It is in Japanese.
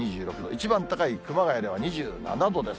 一番高い熊谷では２７度です。